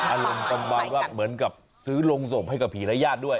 อารมณ์ประมาณว่าเหมือนกับซื้อโรงศพให้กับผีและญาติด้วย